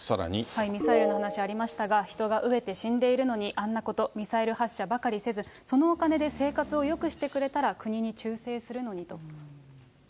ミサイルの話ありましたが、人が飢えて死んでいるのに、あんなこと、ミサイル発射ばかリせず、そのお金で生活をよくしてくれたら、国に忠誠するのにと。